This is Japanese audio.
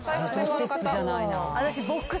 私。